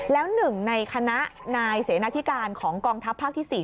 แล้วหนึ่งในคณะนายเสนาธิการของกองทัพภาคที่๔